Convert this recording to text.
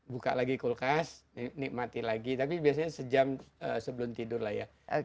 buka lagi kulkas nikmati lagi tapi biasanya sejam sebelum tidur lah ya